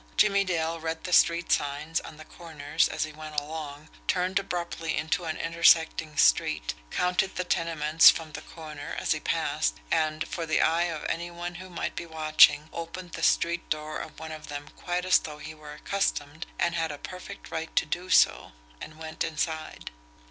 Jimmie Dale read the street signs on the corners as he went along, turned abruptly into an intersecting street, counted the tenements from the corner as he passed, and for the eye of any one who might be watching opened the street door of one of them quite as though he were accustomed and had a perfect right to do so, and went inside.